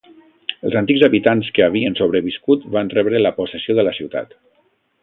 Els antics habitants que havien sobreviscut van rebre la possessió de la ciutat.